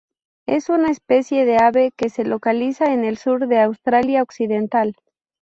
Es una especie de ave que se localiza en el sur de Australia Occidental.